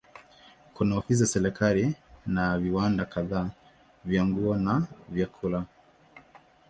Kuna ofisi za serikali na viwanda kadhaa vya nguo na vyakula.